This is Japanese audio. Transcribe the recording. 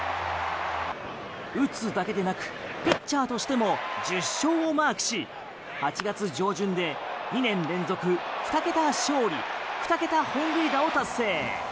打つだけでなくピッチャーとしても１０勝をマークし８月上旬で２年連続２桁勝利２桁本塁打を達成。